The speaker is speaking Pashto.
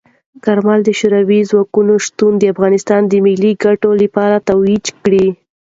کارمل د شوروي ځواکونو شتون د افغانستان د ملي ګټو لپاره توجیه کړ.